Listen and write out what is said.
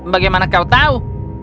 bagaimana kau tahu